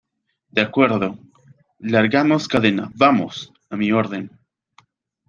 de acuerdo. ¡ largamos cadena, vamos! ¡ a mi orden !